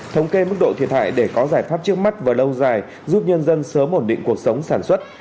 thống kê mức độ thiệt hại để có giải pháp trước mắt và lâu dài giúp nhân dân sớm ổn định cuộc sống sản xuất